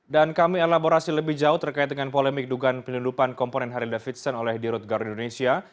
dan kami elaborasi lebih jauh terkait dengan polemik dugaan penyelundupan komponen harilda vitsen oleh dirut garuda indonesia